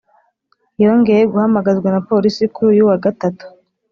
yongeye guhamagazwa na polisi kuri uyu wa gatatu